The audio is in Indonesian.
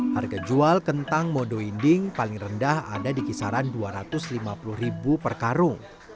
harga jual kentang modo inding paling rendah ada di kisaran rp dua ratus lima puluh ribu per karung